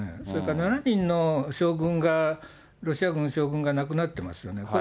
それから７人の将軍が、ロシア軍の将軍が亡くなってますよね。